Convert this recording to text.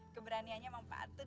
keberanianya memang patut